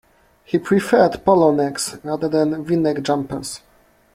He preferred polo necks rather than V-neck jumpers